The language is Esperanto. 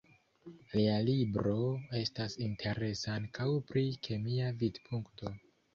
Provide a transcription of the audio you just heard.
Lia libro estas interesa ankaŭ pri kemia vidpunkto.